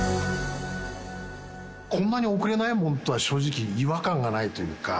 こんなに遅れないもんとは、正直、違和感がないというか。